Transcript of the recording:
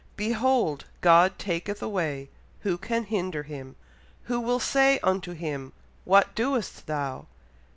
"Behold, God taketh away! who can hinder him? who will say unto him, What doest thou?"